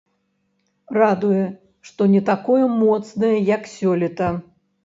Радуе, што не такое моцнае, як сёлета.